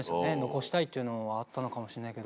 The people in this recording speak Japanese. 残したいというのはあったのかもしんないけど。